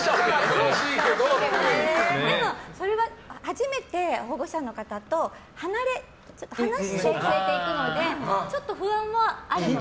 でも、それは初めて保護者の方と離して連れていくのでちょっと不安はあるのかなと。